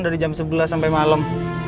dari jam sebelas sampe malem